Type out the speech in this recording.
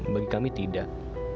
bagi kami tidak